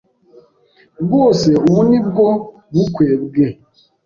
rwose ubu nibwo bukwe bwe.